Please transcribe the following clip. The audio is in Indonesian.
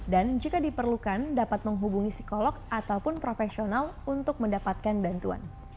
dan jika diperlukan dapat menghubungi psikolog ataupun profesional untuk mendapatkan bantuan